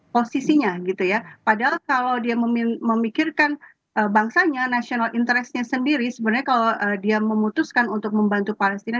posisinya gitu ya padahal kalau dia memikirkan bangsanya national interestnya sendiri sebenarnya kalau dia memutuskan untuk membantu palestina